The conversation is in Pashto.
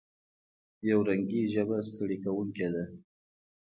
یو رنګي ژبه ستړې کوونکې ده.